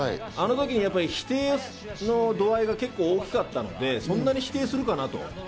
あの時に否定の度合いが結構大きかったので、そんなに否定するかなと。